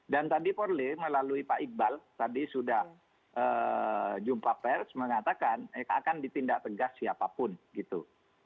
dan tadi polri melalui pak iqbal tadi sudah jumpa pers mengatakan akan ditindak tegas siapapun gitu